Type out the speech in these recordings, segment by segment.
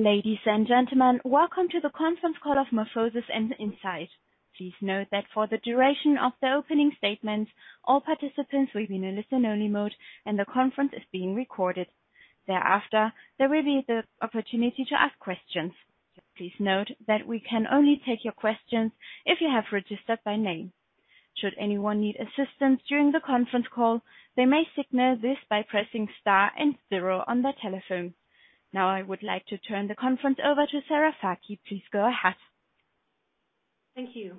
Ladies and gentlemen, welcome to the conference call of MorphoSys and Incyte. Please note that for the duration of the opening statements, all participants will be in a listen-only mode, and the conference is being recorded. Thereafter, there will be the opportunity to ask questions. Please note that we can only take your questions if you have registered by name. Should anyone need assistance during the conference call, they may signal this by pressing star and zero on their telephone. Now I would like to turn the conference over to Sarah Fakih. Please go ahead. Thank you.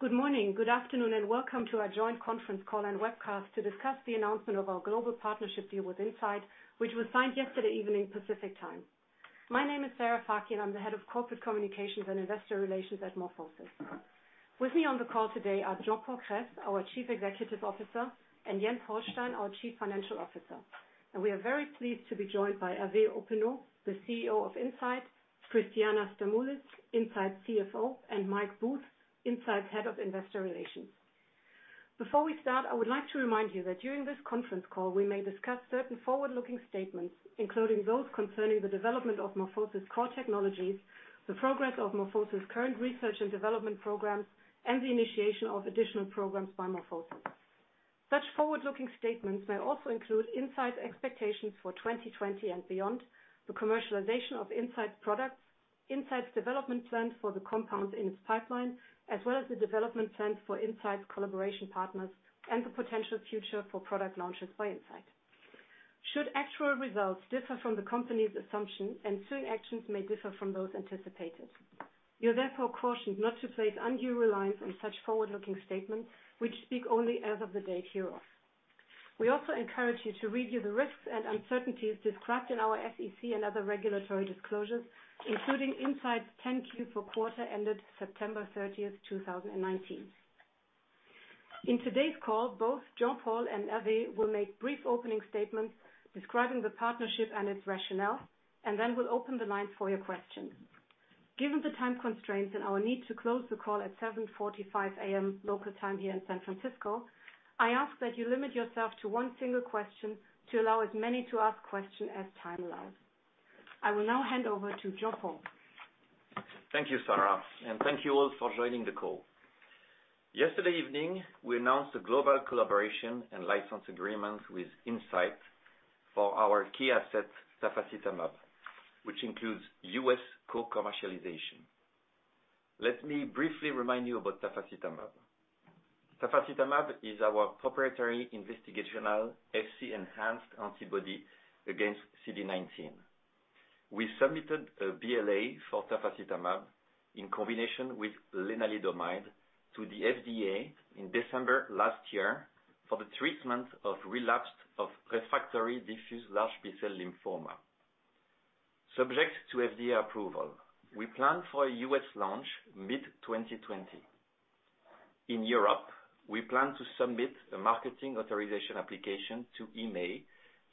Good morning, good afternoon, and welcome to our joint conference call and webcast to discuss the announcement of our global partnership deal with Incyte, which was signed yesterday evening, Pacific Time. My name is Sarah Fakih, and I'm the head of corporate communications and investor relations at MorphoSys. With me on the call today are Jean-Paul Kress, our Chief Executive Officer, and Jens Holstein, our Chief Financial Officer. We are very pleased to be joined by Hervé Hoppenot, the CEO of Incyte, Christiana Stamoulis, Incyte CFO, and Michael Booth, Incyte head of investor relations. Before we start, I would like to remind you that during this conference call, we may discuss certain forward-looking statements, including those concerning the development of MorphoSys' core technologies, the progress of MorphoSys' current research and development programs, and the initiation of additional programs by MorphoSys. Such forward-looking statements may also include Incyte's expectations for 2020 and beyond, the commercialization of Incyte's products, Incyte's development plans for the compounds in its pipeline, as well as the development plans for Incyte's collaboration partners and the potential future for product launches by Incyte. Should actual results differ from the company's assumption, ensuing actions may differ from those anticipated. You're therefore cautioned not to place undue reliance on such forward-looking statements, which speak only as of the date hereof. We also encourage you to review the risks and uncertainties described in our SEC and other regulatory disclosures, including Incyte's 10-Q for quarter ended September 30, 2019. In today's call, both Jean-Paul and Hervé will make brief opening statements describing the partnership and its rationale, and then we'll open the line for your questions. Given the time constraints and our need to close the call at 7:45 A.M. local time here in San Francisco, I ask that you limit yourself to one single question to allow as many to ask questions as time allows. I will now hand over to Jean-Paul. Thank you, Sarah, and thank you all for joining the call. Yesterday evening, we announced a global collaboration and license agreement with Incyte for our key asset, tafasitamab, which includes U.S. co-commercialization. Let me briefly remind you about tafasitamab. Tafasitamab is our proprietary investigational Fc-enhanced antibody against CD19. We submitted a BLA for tafasitamab in combination with lenalidomide to the FDA in December last year for the treatment of relapsed or refractory diffuse large B-cell lymphoma. Subject to FDA approval, we plan for a U.S. launch mid-2020. In Europe, we plan to submit a marketing authorization application to EMA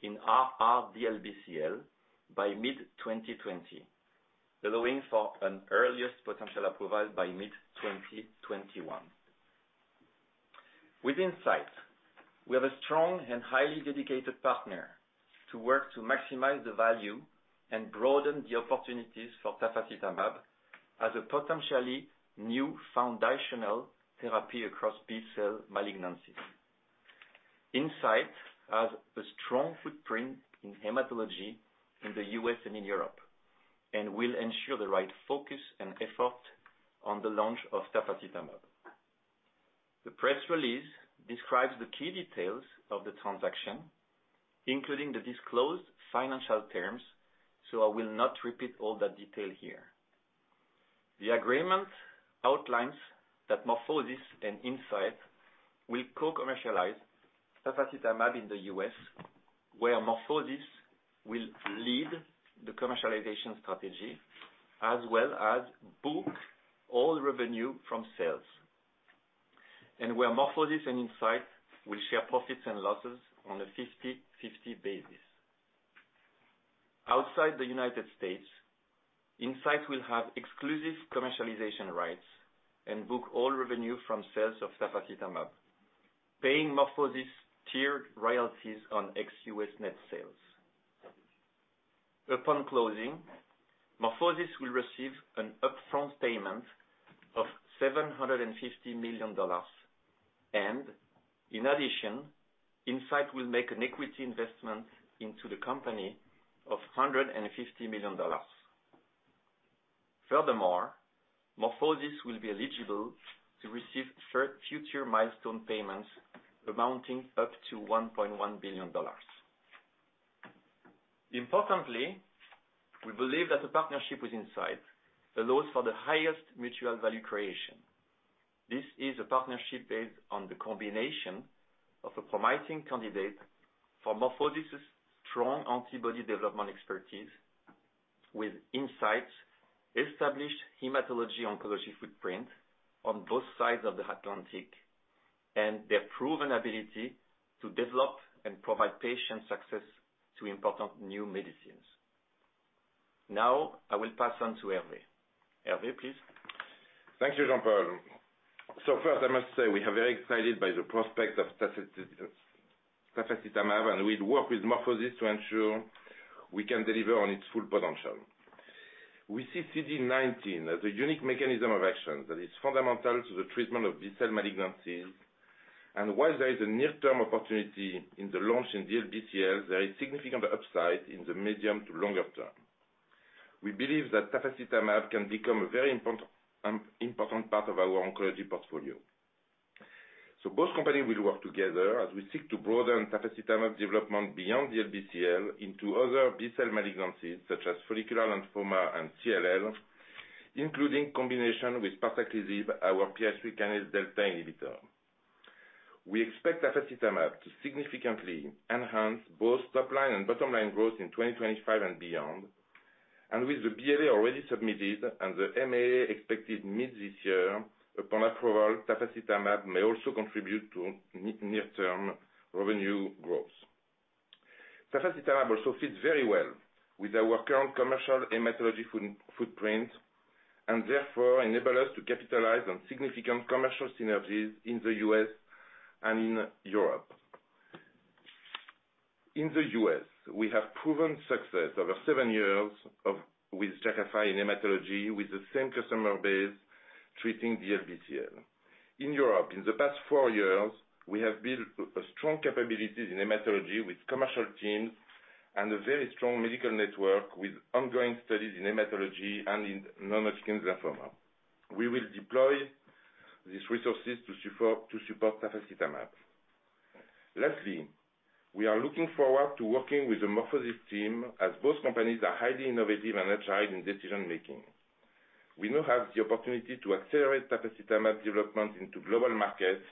in R/R DLBCL by mid-2020, allowing for an earliest potential approval by mid-2021. With Incyte, we have a strong and highly dedicated partner to work to maximize the value and broaden the opportunities for tafasitamab as a potentially new foundational therapy across B-cell malignancies. Incyte has a strong footprint in hematology in the U.S. and in Europe and will ensure the right focus and effort on the launch of tafasitamab. The press release describes the key details of the transaction, including the disclosed financial terms. I will not repeat all that detail here. The agreement outlines that MorphoSys and Incyte will co-commercialize tafasitamab in the U.S., where MorphoSys will lead the commercialization strategy as well as book all revenue from sales. MorphoSys and Incyte will share profits and losses on a 50/50 basis. Outside the United States, Incyte will have exclusive commercialization rights and book all revenue from sales of tafasitamab, paying MorphoSys tiered royalties on ex-U.S. net sales. Upon closing, MorphoSys will receive an upfront payment of $750 million. In addition, Incyte will make an equity investment into the company of $150 million. Furthermore, MorphoSys will be eligible to receive future milestone payments amounting up to $1.1 billion. Importantly, we believe that the partnership with Incyte allows for the highest mutual value creation. This is a partnership based on the combination of a promising candidate for MorphoSys' strong antibody development expertise with Incyte's established hematology oncology footprint on both sides of the Atlantic and their proven ability to develop and provide patient success to important new medicines. I will pass on to Hervé. Hervé, please. Thank you, Jean-Paul. First, I must say we are very excited by the prospect of tafasitamab, and we work with MorphoSys to ensure we can deliver on its full potential. We see CD19 as a unique mechanism of action that is fundamental to the treatment of B-cell malignancies. While there is a near-term opportunity in the launch in DLBCL, there is significant upside in the medium to longer term. We believe that tafasitamab can become a very important part of our oncology portfolio. Both companies will work together as we seek to broaden tafasitamab development beyond DLBCL into other B-cell malignancies such as follicular lymphoma and CLL, including combination with parsaclisib, our PI3 kinase delta inhibitor. We expect tafasitamab to significantly enhance both top line and bottom line growth in 2025 and beyond. With the BLA already submitted and the MAA expected mid this year, upon approval, tafasitamab may also contribute to near-term revenue growth. Tafasitamab also fits very well with our current commercial hematology footprint, and therefore enable us to capitalize on significant commercial synergies in the U.S. and in Europe. In the U.S., we have proven success over seven years with Jakafi in hematology with the same customer base treating DLBCL. In Europe, in the past four years, we have built a strong capabilities in hematology with commercial teams and a very strong medical network with ongoing studies in hematology and in non-Hodgkin lymphoma. We will deploy these resources to support tafasitamab. Lastly, we are looking forward to working with the MorphoSys team as both companies are highly innovative and agile in decision-making. We now have the opportunity to accelerate tafasitamab development into global markets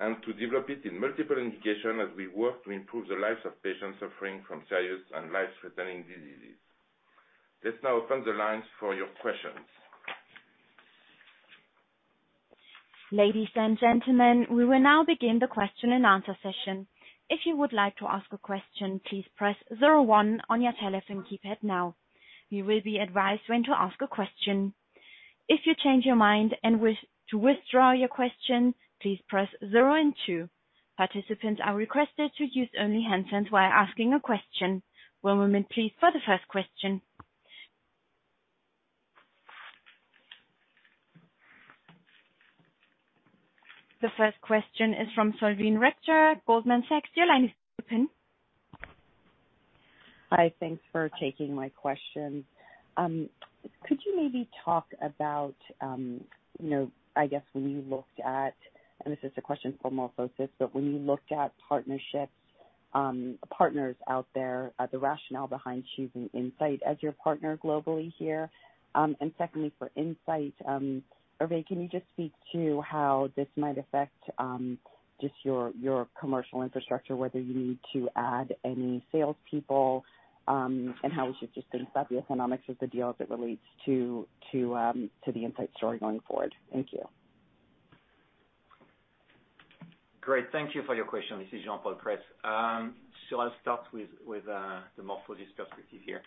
and to develop it in multiple indications as we work to improve the lives of patients suffering from serious and life-threatening diseases. Let's now open the lines for your questions. Ladies and gentlemen, we will now begin the question and answer session. If you would like to ask a question, please press 01 on your telephone keypad now. You will be advised when to ask a question. If you change your mind and wish to withdraw your question, please press 0 and 2. Participants are requested to use only handsets while asking a question. One moment please for the first question. The first question is from Salveen Richter at Goldman Sachs. Your line is open. Hi. Thanks for taking my question. Could you maybe talk about, I guess, when you looked at, and this is a question for MorphoSys, but when you looked at partnerships, partners out there, the rationale behind choosing Incyte as your partner globally here. Secondly, for Incyte, Hervé, can you just speak to how this might affect just your commercial infrastructure, whether you need to add any salespeople, and how we should just think about the economics of the deal as it relates to the Incyte story going forward? Thank you. Great. Thank you for your question. This is Jean-Paul Kress. I'll start with the MorphoSys perspective here.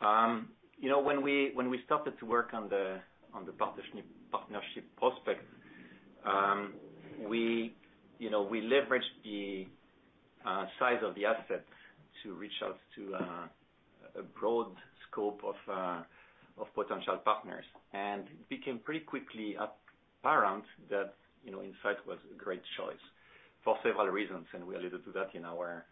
When we started to work on the partnership prospect, we leveraged the size of the asset to reach out to a broad scope of potential partners. It became pretty quickly apparent that Incyte was a great choice for several reasons, and we alluded to that in our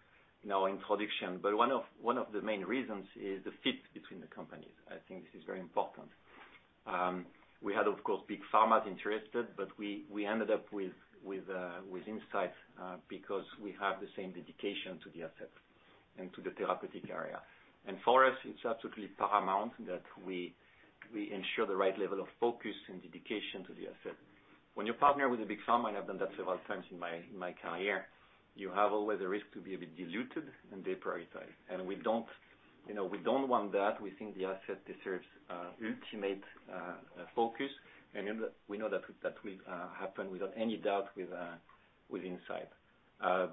introduction. One of the main reasons is the fit between the companies. I think this is very important. We had, of course, big pharmas interested, but we ended up with Incyte, because we have the same dedication to the asset and to the therapeutic area. For us, it's absolutely paramount that we ensure the right level of focus and dedication to the asset. When you partner with a big pharma, and I've done that several times in my career, you have always a risk to be a bit diluted and deprioritized. We don't want that. We think the asset deserves ultimate focus, and we know that will happen without any doubt with Incyte.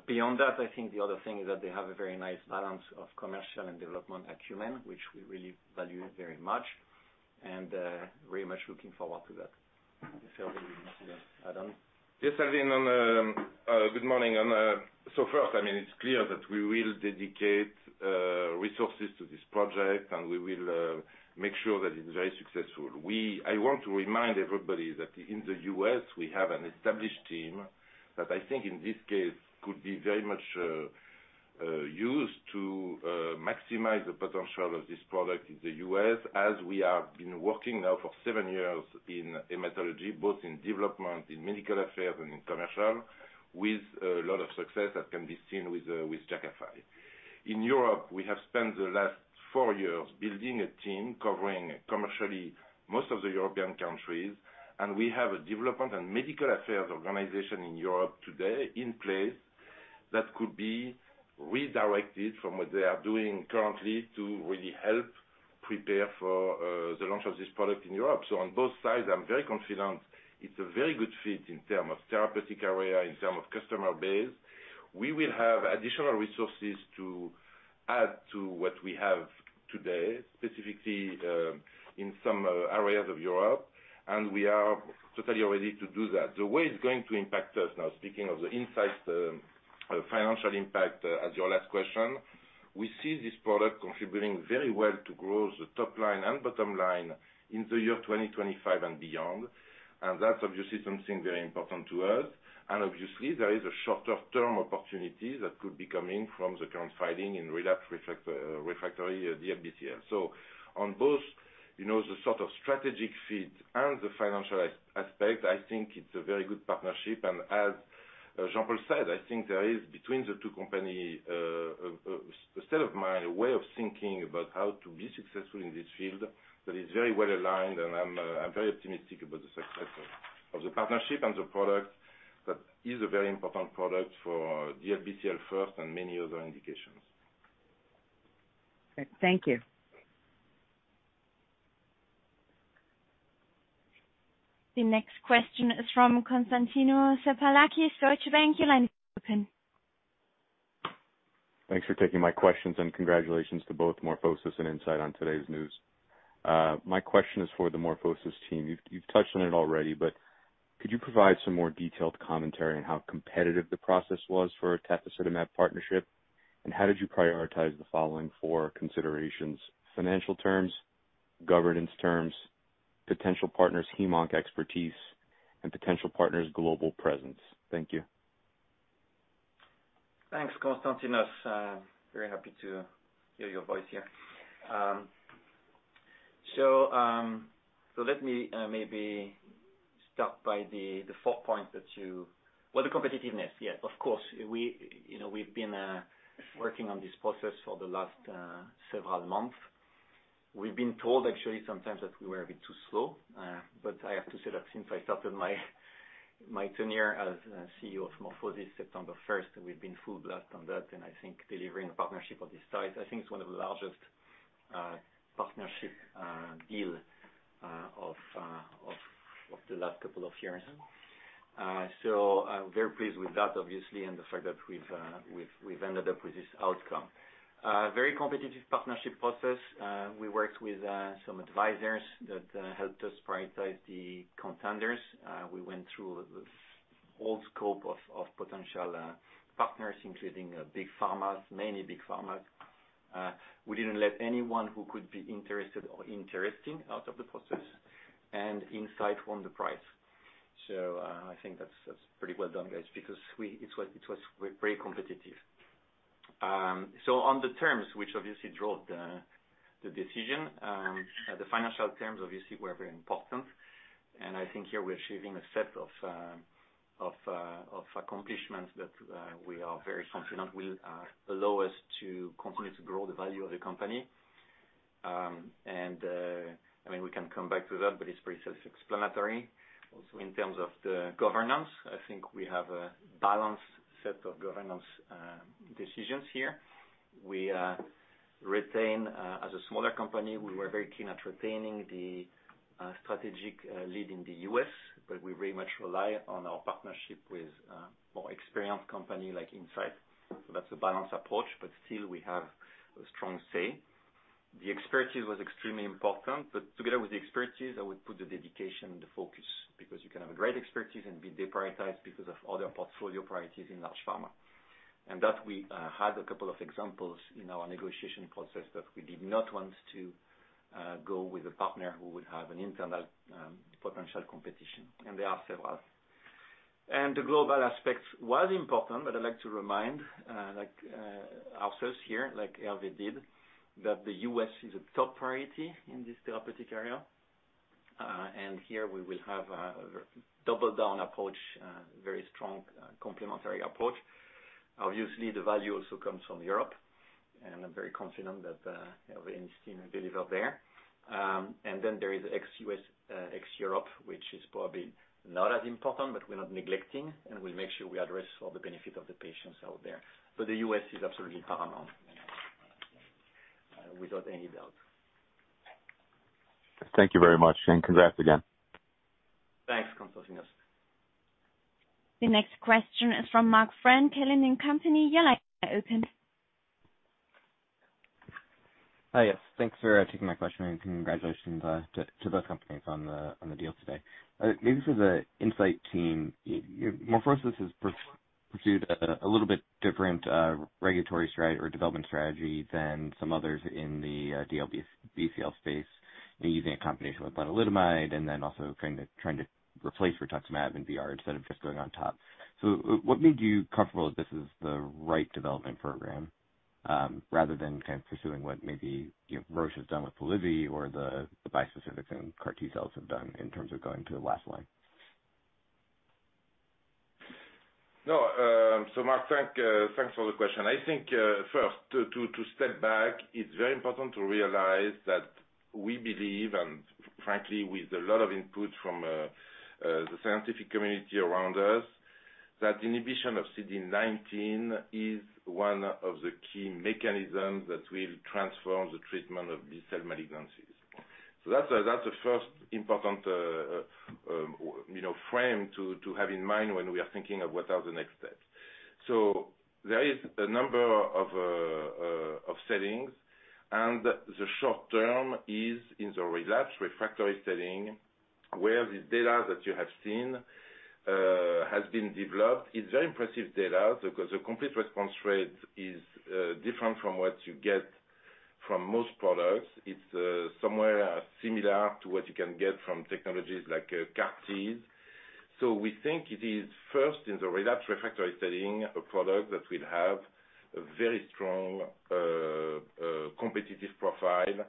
Beyond that, I think the other thing is that they have a very nice balance of commercial and development acumen, which we really value very much and very much looking forward to that. Salveen, do you want to add on? Yes, Salveen. Good morning. First, it is clear that we will dedicate resources to this project, and we will make sure that it is very successful. I want to remind everybody that in the U.S., we have an established team that I think in this case could be very much used to maximize the potential of this product in the U.S., as we have been working now for 7 years in hematology, both in development, in medical affairs, and in commercial, with a lot of success that can be seen with Jakafi. In Europe, we have spent the last 4 years building a team covering commercially most of the European countries, and we have a development and medical affairs organization in Europe today in place that could be redirected from what they are doing currently to really help prepare for the launch of this product in Europe. On both sides, I'm very confident it's a very good fit in terms of therapeutic area, in terms of customer base. We will have additional resources to add to what we have today, specifically in some areas of Europe, and we are totally ready to do that. The way it's going to impact us now, speaking of Incyte, the financial impact as your last question, we see this product contributing very well to grow the top line and bottom line into 2025 and beyond. That's obviously something very important to us. Obviously there is a shorter-term opportunity that could be coming from the current finding in relapsed refractory DLBCL. On both the sort of strategic fit and the financial aspect, I think it's a very good partnership. As Jean-Paul said, I think there is, between the two companies, a state of mind, a way of thinking about how to be successful in this field that is very well-aligned. I'm very optimistic about the success of the partnership and the product. That is a very important product for DLBCL first and many other indications. Thank you. The next question is from Constantinos Tsepelakis, Deutsche Bank. Your line is open. Thanks for taking my questions and congratulations to both MorphoSys and Incyte on today's news. My question is for the MorphoSys team. You've touched on it already, but could you provide some more detailed commentary on how competitive the process was for tafasitamab partnership, and how did you prioritize the following four considerations: financial terms, governance terms, potential partners' hemonc expertise, and potential partners' global presence? Thank you. Thanks, Constantinos. Very happy to hear your voice here. Let me maybe start by the four points that you Well, the competitiveness. Yes, of course. We've been working on this process for the last several months. We've been told actually sometimes that we were a bit too slow. I have to say that since I started my tenure as CEO of MorphoSys September 1st, we've been full blast on that. I think delivering a partnership of this size, I think it's one of the largest partnership deal of the last couple of years. Very pleased with that, obviously, and the fact that we've ended up with this outcome. Very competitive partnership process. We worked with some advisors that helped us prioritize the contenders. We went through the whole scope of potential partners, including big pharmas, many big pharmas. We didn't let anyone who could be interested or interesting out of the process. Incyte won the price. I think that's pretty well done, guys, because it was very competitive. On the terms, which obviously drove the decision, the financial terms obviously were very important. I think here we are achieving a set of accomplishments that we are very confident will allow us to continue to grow the value of the company. We can come back to that, but it's pretty self-explanatory. Also, in terms of the governance, I think we have a balanced set of governance decisions here. As a smaller company, we were very keen at retaining the strategic lead in the U.S., but we very much rely on our partnership with a more experienced company like Incyte. That's a balanced approach, but still we have a strong say. The expertise was extremely important, together with the expertise, I would put the dedication and the focus because you can have a great expertise and be deprioritized because of other portfolio priorities in large pharma. That we had a couple of examples in our negotiation process that we did not want to go with a partner who would have an internal potential competition. There are several. The global aspect was important, I'd like to remind, like ourselves here, like Hervé did, that the U.S. is a top priority in this therapeutic area. Here we will have a double down approach, very strong complementary approach. Obviously, the value also comes from Europe, I'm very confident that Hervé and his team deliver there. There is ex-U.S., ex-Europe, which is probably not as important, but we're not neglecting, and we'll make sure we address for the benefit of the patients out there. The U.S. is absolutely paramount, without any doubt. Thank you very much, and congrats again. Thanks, Constantinos. The next question is from Mark Frank, Cowen and Company. Your line is open. Yes. Thanks for taking my question, and congratulations to both companies on the deal today. Maybe for the Incyte team, MorphoSys has pursued a little bit different regulatory strategy or development strategy than some others in the DLBCL space in using a combination with lenalidomide and then also trying to replace rituximab in VR instead of just going on top. What made you comfortable that this is the right development program, rather than kind of pursuing what maybe Roche has done with Polivy or the bispecifics and CAR T cells have done in terms of going to the last line? Mark, thanks for the question. I think, first, to step back, it's very important to realize that we believe, and frankly, with a lot of input from the scientific community around us, that inhibition of CD19 is one of the key mechanisms that will transform the treatment of B-cell malignancies. That's the first important frame to have in mind when we are thinking of what are the next steps. There is a number of settings, and the short term is in the relapse refractory setting, where the data that you have seen has been developed. It's very impressive data because the complete response rate is different from what you get from most products. It's somewhere similar to what you can get from technologies like CAR T. We think it is first in the relapse refractory setting, a product that will have a very strong competitive profile.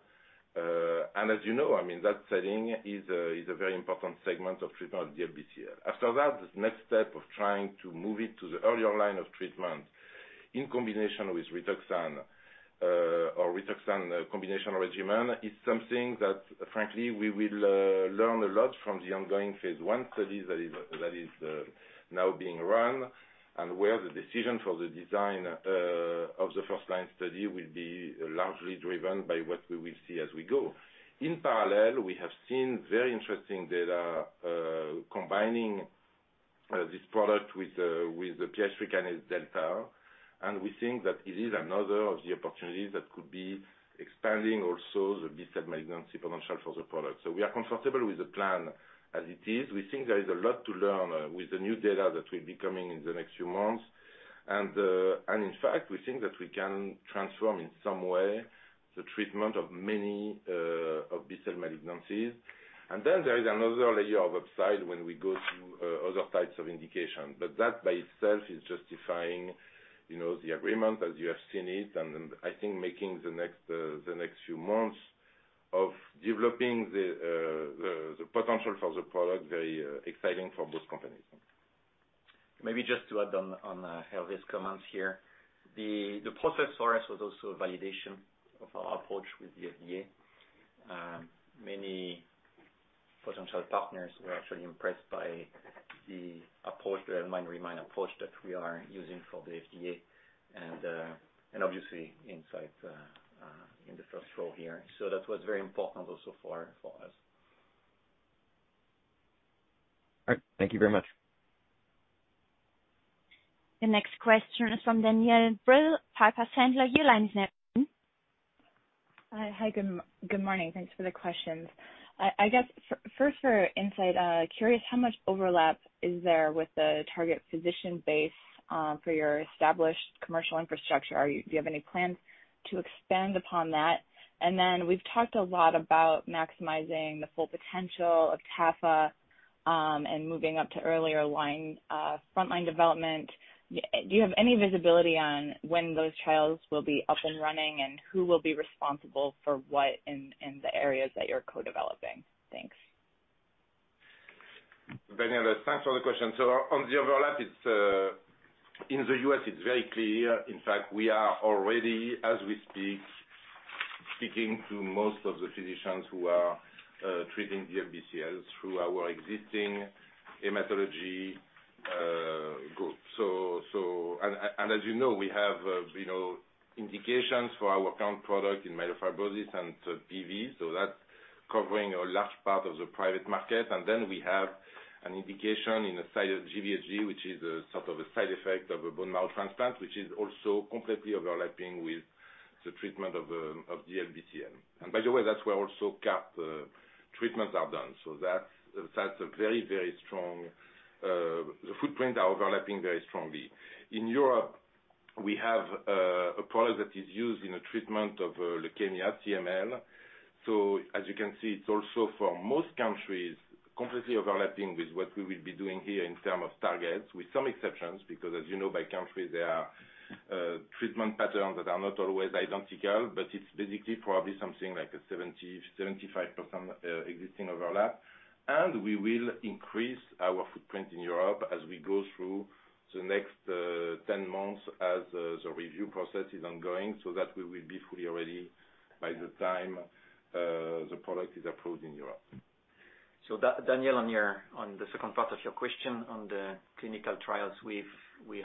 As you know, that setting is a very important segment of treatment of DLBCL. After that, the next step of trying to move it to the earlier line of treatment in combination with Rituxan or Rituxan combination regimen, is something that frankly, we will learn a lot from the ongoing phase I study that is now being run, and where the decision for the design of the first line study will be largely driven by what we will see as we go. In parallel, we have seen very interesting data combining this product with the PI3 kinase delta, and we think that it is another of the opportunities that could be expanding also the B-cell malignancy potential for the product. We are comfortable with the plan as it is. We think there is a lot to learn with the new data that will be coming in the next few months. In fact, we think that we can transform, in some way, the treatment of many of B-cell malignancies. There is another layer of upside when we go to other types of indication. That, by itself, is justifying the agreement as you have seen it, and I think making the next few months of developing the potential for the product very exciting for both companies. Maybe just to add on Hervé's comments here. The process for us was also a validation of our approach with the FDA. Many potential partners were actually impressed by the L-MIND-RE-MIND approach that we are using for the FDA, and obviously Incyte in the first row here. That was very important also for us. All right. Thank you very much. The next question is from Danielle Brill, Piper Sandler. Your line is now open. Hi, good morning. Thanks for the questions. I guess, first for Incyte, curious how much overlap is there with the target physician base for your established commercial infrastructure? Do you have any plans to expand upon that? We've talked a lot about maximizing the full potential of tafa and moving up to earlier frontline development. Do you have any visibility on when those trials will be up and running, and who will be responsible for what in the areas that you're co-developing? Thanks. Danielle, thanks for the question. On the overlap, in the U.S., it's very clear. In fact, we are already, as we speak, speaking to most of the physicians who are treating DLBCL through our existing hematology group. As you know, we have indications for our current product in myelofibrosis and PV, so that's covering a large part of the private market. Then we have an indication in the side of GvHD, which is sort of a side effect of a bone marrow transplant, which is also completely overlapping with the treatment of DLBCL. By the way, that's where also CAR T treatments are done. That's a very, very strong footprint overlapping very strongly. In Europe, we have a product that is used in the treatment of leukemia CML. As you can see, it's also for most countries, completely overlapping with what we will be doing here in term of targets, with some exceptions, because as you know, by country, there are treatment patterns that are not always identical, but it's basically probably something like a 70%, 75% existing overlap. We will increase our footprint in Europe as we go through the next 10 months as the review process is ongoing, so that we will be fully ready by the time the product is approved in Europe. Danielle, on the second part of your question on the clinical trials. We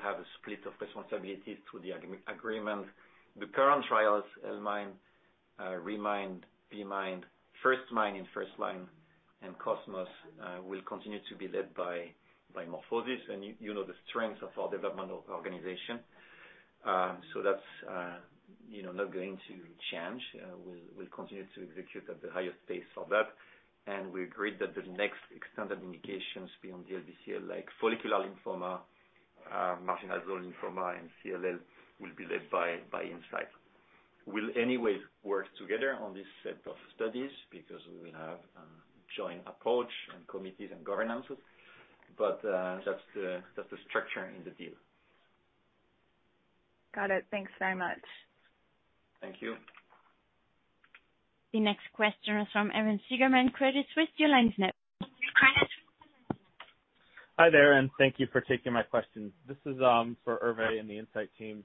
have a split of responsibilities through the agreement. The current trials, L-MIND, RE-MIND, B-MIND, First-MIND in first line, and COSMOS will continue to be led by MorphoSys. You know the strength of our developmental organization. That's not going to change. We'll continue to execute at the highest pace for that, and we agreed that the next extended indications beyond DLBCL, like follicular lymphoma, marginal zone lymphoma, and CLL, will be led by Incyte. We'll anyway work together on this set of studies because we have a joint approach and committees and governances. That's the structure in the deal. Got it. Thanks very much. Thank you. The next question is from Evan Seigerman, Credit Suisse. Your line is now open. Credit Suisse. Hi there. Thank you for taking my questions. This is for Hervé and the Incyte team.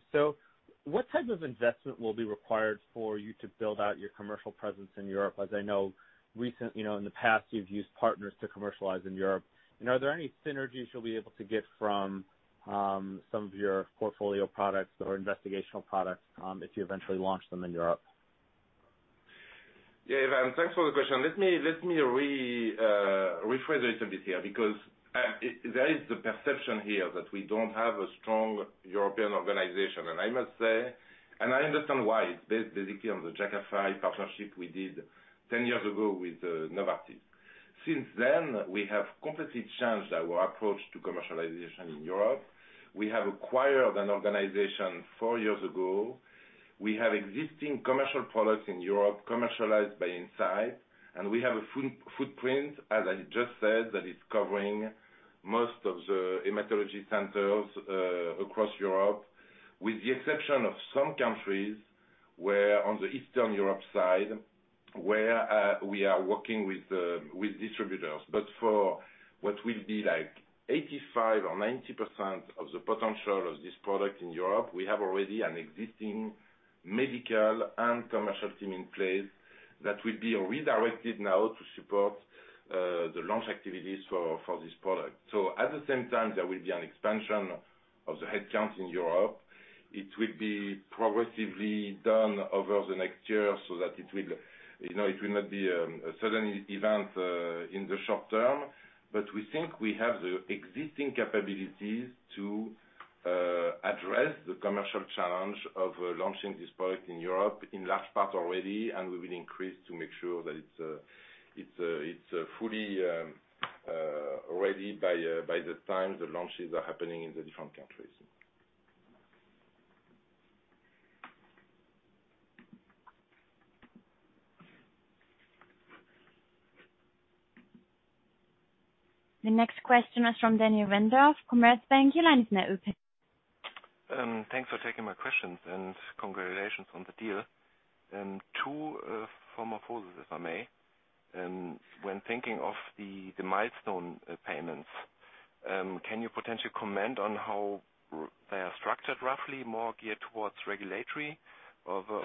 What type of investment will be required for you to build out your commercial presence in Europe? As I know, in the past you've used partners to commercialize in Europe. Are there any synergies you'll be able to get from some of your portfolio products or investigational products if you eventually launch them in Europe? Yeah, Evan, thanks for the question. Let me rephrase it a bit here, because there is the perception here that we don't have a strong European organization. I must say, and I understand why, it's based basically on the Jakafi partnership we did 10 years ago with Novartis. Since then, we have completely changed our approach to commercialization in Europe. We have acquired an organization four years ago. We have existing commercial products in Europe, commercialized by Incyte, and we have a footprint, as I just said, that is covering most of the hematology centers across Europe, with the exception of some countries on the Eastern Europe side, where we are working with distributors. For what will be like 85% or 90% of the potential of this product in Europe, we have already an existing medical and commercial team in place that will be redirected now to support the launch activities for this product. At the same time, there will be an expansion of the headcount in Europe. It will be progressively done over the next year so that it will not be a sudden event in the short term. We think we have the existing capabilities to address the commercial challenge of launching this product in Europe in large part already, and we will increase to make sure that it's fully ready by the time the launches are happening in the different countries. The next question is from Daniel Wendorff, Commerzbank. Your line is now open. Thanks for taking my questions. Congratulations on the deal. Two for MorphoSys, if I may. When thinking of the milestone payments, can you potentially comment on how they are structured, roughly more geared towards regulatory or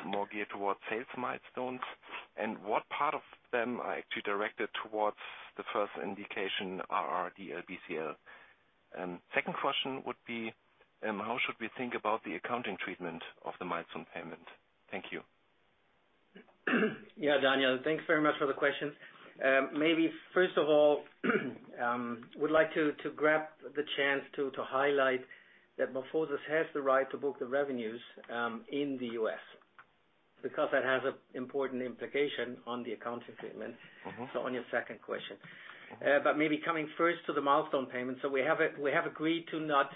more geared towards sales milestones? What part of them are actually directed towards the first indication, R/R DLBCL? Second question would be, how should we think about the accounting treatment of the milestone payment? Thank you. Yeah, Daniel, thanks very much for the question. Maybe first of all, would like to grab the chance to highlight that MorphoSys has the right to book the revenues in the U.S., because that has an important implication on the accounting treatment. On your second question. Maybe coming first to the milestone payment. We have agreed to not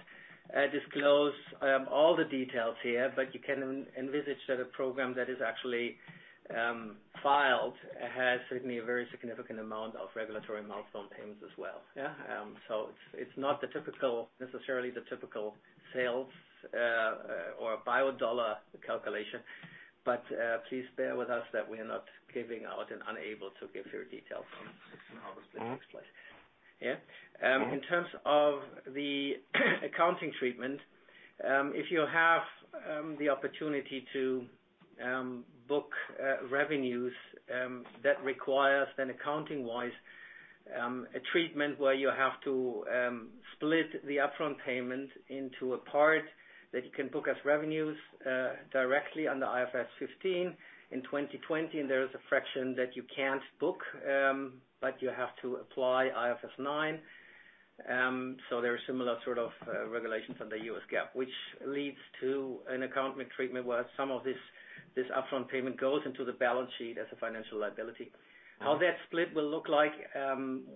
disclose all the details here, but you can envisage that a program that is actually filed has certainly a very significant amount of regulatory milestone payments as well. Yeah. It's not necessarily the typical sales or bio dollar calculation. Please bear with us that we are not giving out and unable to give further details on how this takes place. Yeah. In terms of the accounting treatment, if you have the opportunity to book revenues, that requires then accounting-wise, a treatment where you have to split the upfront payment into a part that you can book as revenues directly under IFRS 15 in 2020, and there is a fraction that you can't book, but you have to apply IFRS 9. There are similar sort of regulations under U.S. GAAP, which leads to an accounting treatment where some of this upfront payment goes into the balance sheet as a financial liability. How that split will look like,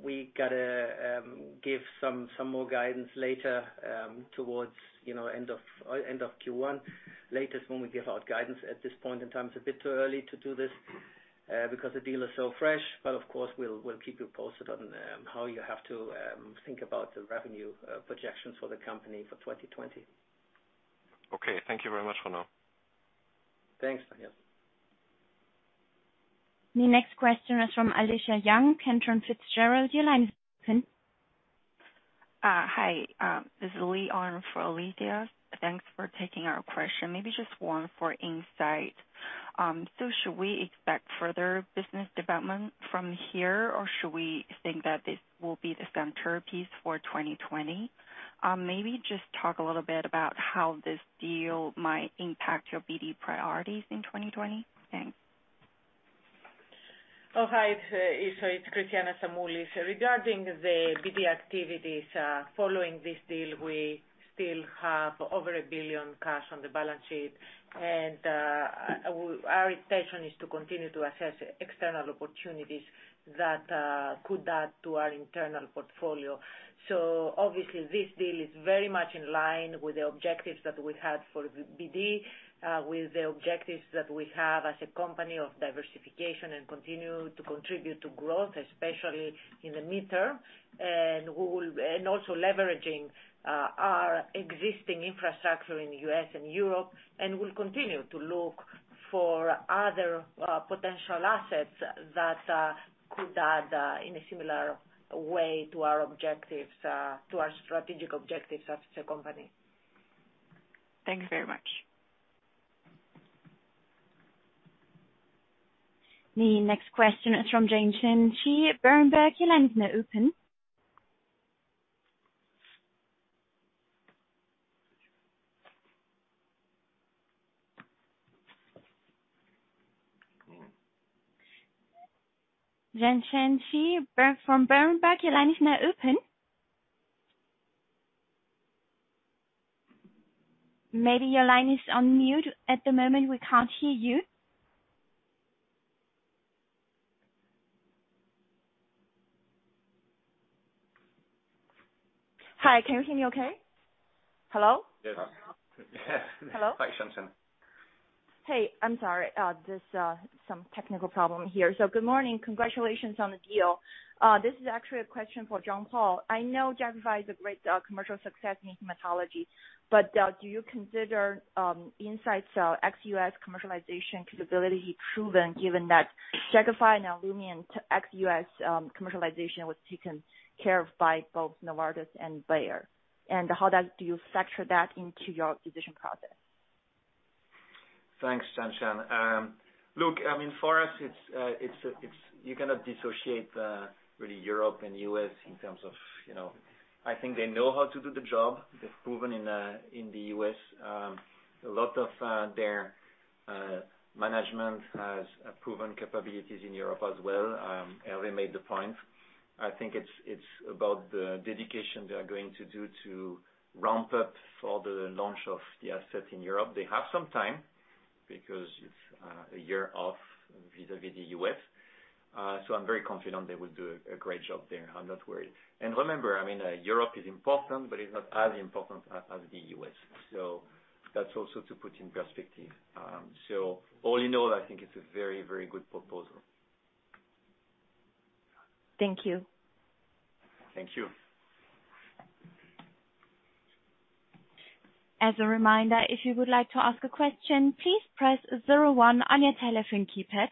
we got to give some more guidance later towards end of Q1 latest when we give out guidance. At this point in time, it's a bit too early to do this because the deal is so fresh. Of course, we'll keep you posted on how you have to think about the revenue projections for the company for 2020. Okay. Thank you very much for now. Thanks, Daniel. The next question is from Alithia Young, Cantor Fitzgerald. Your line is open. Hi, this is Li on for Alithia. Thanks for taking our question. Just one for Incyte. Should we expect further business development from here, or should we think that this will be the centerpiece for 2020? Just talk a little bit about how this deal might impact your BD priorities in 2020. Thanks. Hi, it's Christiana Stamoulis. Regarding the BD activities following this deal, we still have over $1 billion cash on the balance sheet, our intention is to continue to assess external opportunities that could add to our internal portfolio. Obviously, this deal is very much in line with the objectives that we had for BD, with the objectives that we have as a company of diversification and continue to contribute to growth, especially in the midterm, and also leveraging our existing infrastructure in the U.S. and Europe. We'll continue to look for other potential assets that could add in a similar way to our strategic objectives as a company. Thanks very much. The next question is from Shanshan Xu, Berenberg. Your line is now open. Shanshan Shi from Berenberg, your line is now open. Maybe your line is on mute at the moment. We can't hear you. Hi, can you hear me okay? Hello? Yes. Hello? Hi, Shanshan. Hey, I'm sorry. There's some technical problem here. Good morning. Congratulations on the deal. This is actually a question for Jean-Paul. I know Jakafi is a great commercial success in hematology, but do you consider Incyte's ex-US commercialization capability proven, given that Jakafi and Olumiant and ex-US commercialization was taken care of by both Novartis and Bayer? How do you factor that into your decision process? Thanks, Shanshan. Look, for us, you cannot dissociate really Europe and U.S. I think they know how to do the job. They've proven in the U.S. A lot of their management has proven capabilities in Europe as well. Hervé made the point. I think it's about the dedication they are going to do to ramp up for the launch of the asset in Europe. They have some time because it's a year off vis-a-vis the U.S. I'm very confident they will do a great job there. I'm not worried. Remember, Europe is important, but it's not as important as the U.S. That's also to put in perspective. All in all, I think it's a very good proposal. Thank you. Thank you. As a reminder, if you would like to ask a question, please press zero one on your telephone keypad.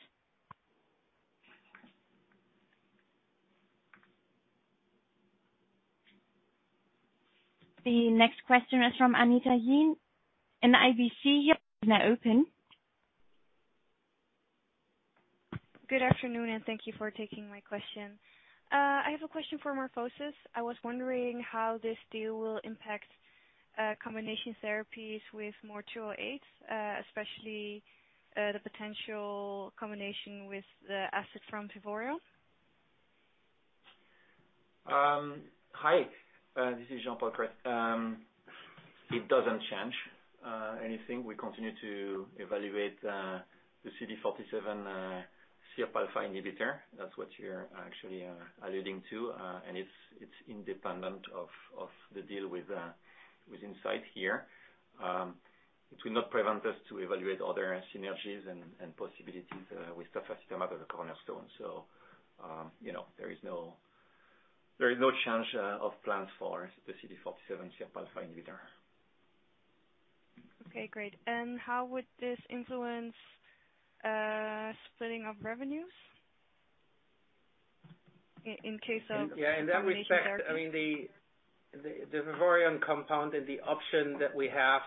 The next question is from Anita N in RBC Capital Markets. Your line is now open. Good afternoon. Thank you for taking my question. I have a question for MorphoSys. I was wondering how this deal will impact combination therapies with MOR208, especially the potential combination with the asset from Vivoryon. Hi, this is Jean-Paul. It doesn't change anything. We continue to evaluate the CD47-SIRPα inhibitor. That's what you're actually alluding to, and it's independent of the deal with Incyte here. It will not prevent us to evaluate other synergies and possibilities with tafasitamab as a cornerstone. There is no change of plans for the CD47-SIRPα inhibitor. Okay, great. How would this influence splitting of revenues, in case of? In that respect, the Vivorium compound and the option that we have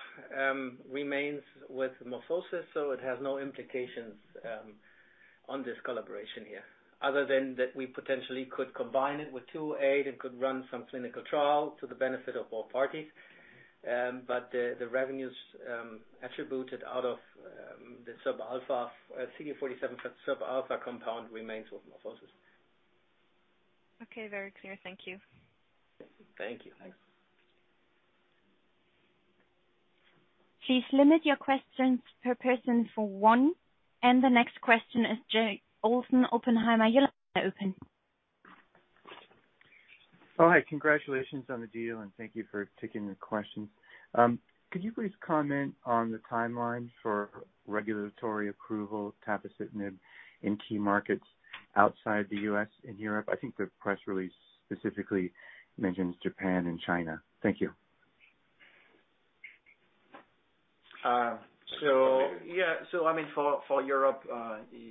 remains with MorphoSys. It has no implications on this collaboration here, other than that we potentially could combine it with 208 and could run some clinical trial to the benefit of all parties. The revenues attributed out of the CD47-SIRPα compound remains with MorphoSys. Okay, very clear. Thank you. Thank you. Thanks. Please limit your questions per person for one. The next question is Jay Olson, Oppenheimer. Your line is now open. Oh, hi. Congratulations on the deal, and thank you for taking the question. Could you please comment on the timeline for regulatory approval tafasitamab in key markets outside the U.S. and Europe? I think the press release specifically mentions Japan and China. Thank you. Yeah. For Europe,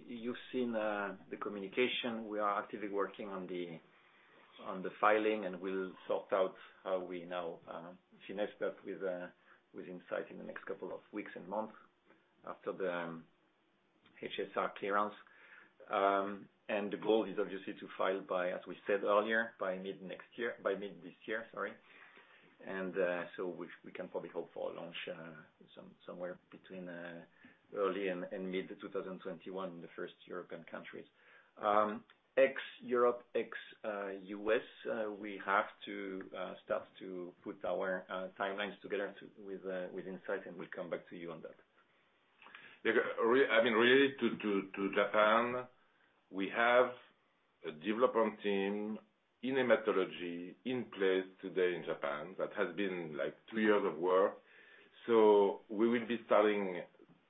you've seen the communication. We are actively working on the filing, and we'll sort out how we now finesse that with Incyte in the next couple of weeks and months after the HSR clearance. The goal is obviously to file by, as we said earlier, by mid this year. We can probably hope for a launch somewhere between early and mid 2021 in the first European countries. Ex-Europe, ex-U.S., we have to start to put our timelines together with Incyte, and we'll come back to you on that. I mean, related to Japan, we have a development team in hematology in place today in Japan. That has been like three years of work. We will be starting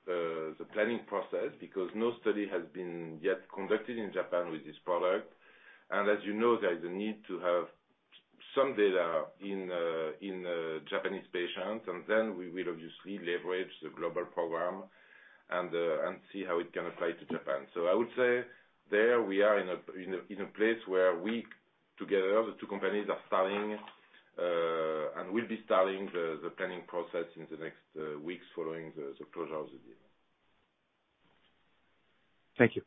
the planning process because no study has been yet conducted in Japan with this product. As you know, there is a need to have some data in Japanese patients, and then we will obviously leverage the global program and see how it can apply to Japan. I would say there we are in a place where we, together, the two companies are starting, and will be starting the planning process in the next weeks following the closure of the deal. Thank you.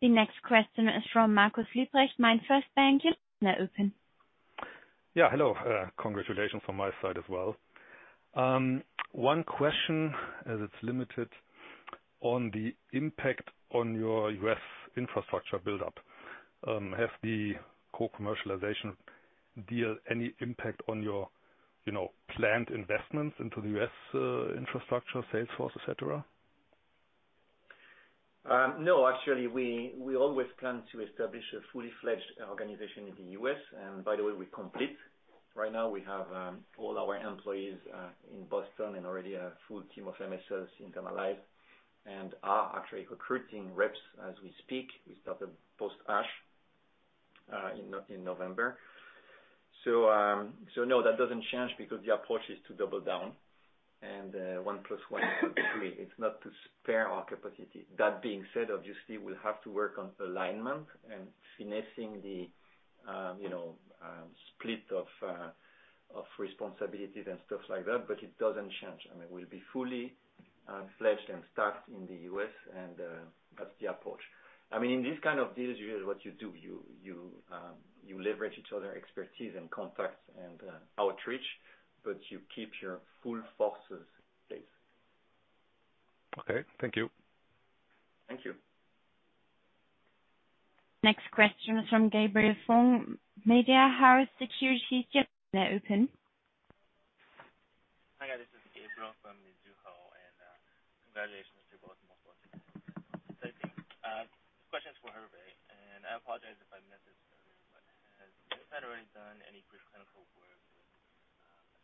The next question is from Marcus Wieprecht, MainFirst Bank. Your line is now open. Yeah, hello. Congratulations from my side as well. One question, as it's limited on the impact on your U.S. infrastructure build-up. Has the co-commercialization deal any impact on your planned investments into the U.S. infrastructure, sales force, et cetera? No, actually, we always plan to establish a fully fledged organization in the U.S., and by the way, we're complete. Right now, we have all our employees in Boston and already a full team of MSLs in [GamaLife] and are actually recruiting reps as we speak. We started post-ASH in November. No, that doesn't change because the approach is to double down and one plus one equals three. It's not to spare our capacity. That being said, obviously, we'll have to work on alignment and finessing the split of responsibilities and stuff like that, it doesn't change. I mean, we'll be fully fledged and staffed in the U.S. and that's the approach. In these kind of deals, here's what you do. You leverage each other expertise and contacts and outreach, you keep your full forces in place. Okay, thank you. Thank you. Next question is from Gabriel from Mizuho Securities. Your line is now open. Hi, this is Gabriel from Mizuho, and congratulations to both MorphoSys. Question is for Hervé, and I apologize if I missed this earlier, but has Incyte already done any pre-clinical work with,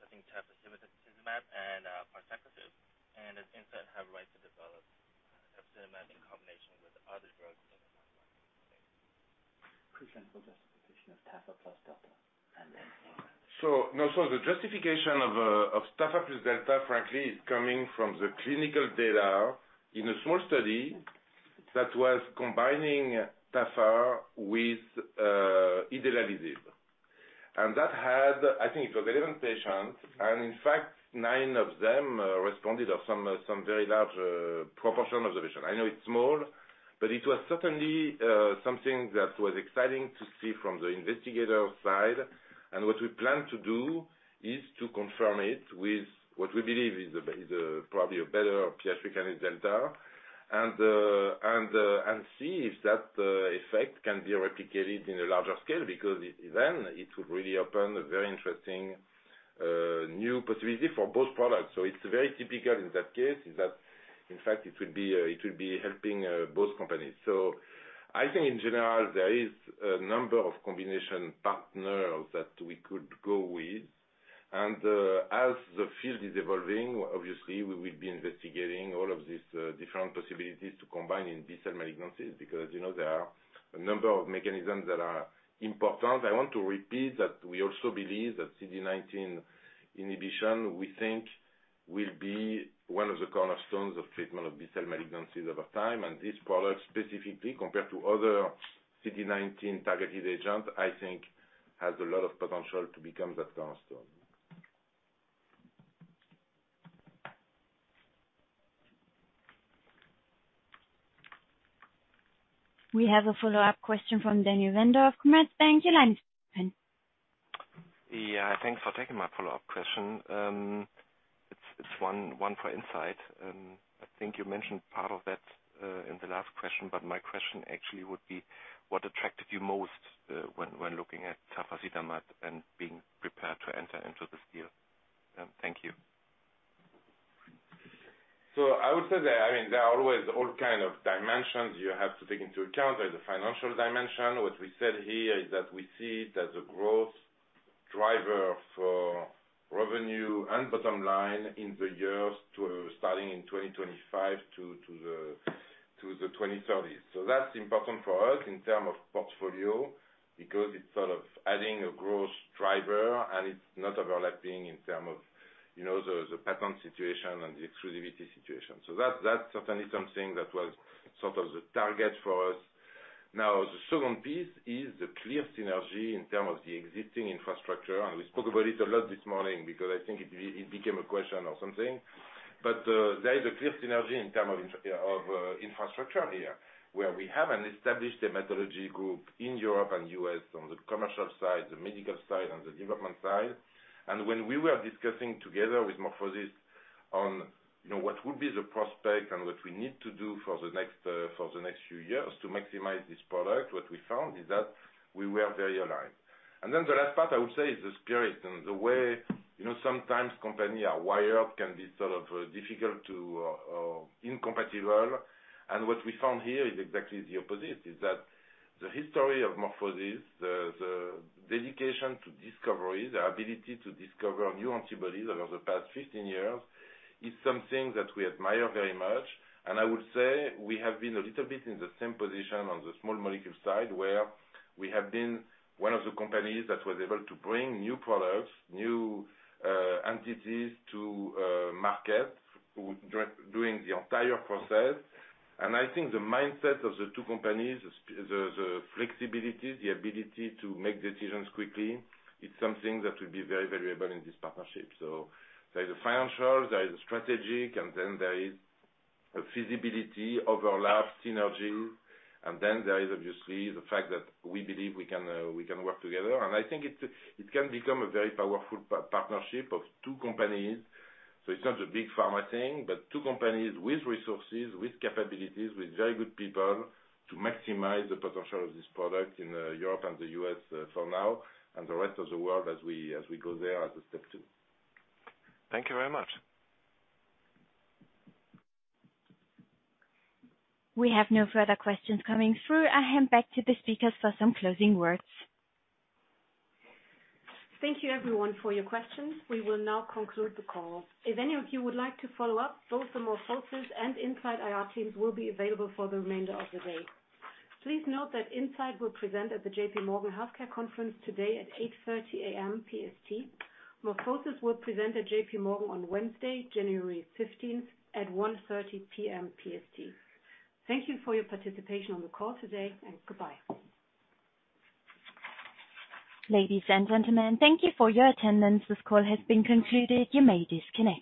I think tafasitamab and parsaclisib? Does Incyte have right to develop tafasitamab in combination with other drugs in the pipeline? Pre-clinical justification of tafa plus delta. The justification of tafa plus delta, frankly, is coming from the clinical data in a small study that was combining tafa with idelalisib. That had, I think it was 11 patients. In fact, nine of them responded of some very large proportion of the patient. I know it's small, it was certainly something that was exciting to see from the investigator side. What we plan to do is to confirm it with what we believe is probably a better PI3K delta. See if that effect can be replicated in a larger scale because it would really open a very interesting new possibility for both products. It's very typical in that case, is that in fact it would be helping both companies. I think in general, there is a number of combination partners that we could go with. As the field is evolving, obviously we will be investigating all of these different possibilities to combine in B-cell malignancies because there are a number of mechanisms that are important. I want to repeat that we also believe that CD19 inhibition, we think will be one of the cornerstones of treatment of B-cell malignancies over time. This product specifically, compared to other CD19-targeted agent, I think has a lot of potential to become that cornerstone. We have a follow-up question from Daniel Wendorff, Commerzbank. Your line is open. Yeah. Thanks for taking my follow-up question. It's one for Incyte. I think you mentioned part of that in the last question, but my question actually would be, what attracted you most when looking at tafasitamab and being prepared to enter into this deal? Thank you. I would say that, there are always all kind of dimensions you have to take into account. There's the financial dimension. What we said here is that we see it as a growth driver for revenue and bottom line in the years starting in 2025 to the 2030s. That's important for us in term of portfolio because it's sort of adding a growth driver and it's not overlapping in term of the patent situation and the exclusivity situation. That's certainly something that was sort of the target for us. The second piece is the clear synergy in term of the existing infrastructure. We spoke about it a lot this morning because I think it became a question or something. There is a clear synergy in terms of infrastructure here, where we have an established hematology group in Europe and U.S. on the commercial side, the medical side, and the development side. When we were discussing together with MorphoSys on what would be the prospect and what we need to do for the next few years to maximize this product, what we found is that we were very aligned. The last part I would say is the spirit and the way sometimes company are wired can be sort of difficult to, or incompatible. What we found here is exactly the opposite, is that the history of MorphoSys, the dedication to discoveries, the ability to discover new antibodies over the past 15 years, is something that we admire very much. I would say we have been a little bit in the same position on the small molecule side, where we have been one of the companies that was able to bring new products, new entities to market, doing the entire process. I think the mindset of the two companies, the flexibility, the ability to make decisions quickly, is something that will be very valuable in this partnership. There's a financial, there's a strategic, and then there is a feasibility overlap synergy. Then there is obviously the fact that we believe we can work together. I think it can become a very powerful partnership of two companies. It's not a big pharma thing, but two companies with resources, with capabilities, with very good people to maximize the potential of this product in Europe and the U.S. for now, and the rest of the world as we go there as a step two. Thank you very much. We have no further questions coming through. I hand back to the speakers for some closing words. Thank you everyone for your questions. We will now conclude the call. If any of you would like to follow up, both the MorphoSys and Incyte IR teams will be available for the remainder of the day. Please note that Incyte will present at the J.P. Morgan Healthcare Conference today at 8:30 A.M. PST. MorphoSys will present at J.P. Morgan on Wednesday, January 15th at 1:30 P.M. PST. Thank you for your participation on the call today, and goodbye. Ladies and gentlemen, thank you for your attendance. This call has been concluded. You may disconnect.